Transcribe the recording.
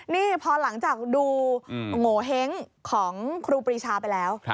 นี่พอหลังจากดูโงเห้งของครูปรีชาไปแล้ว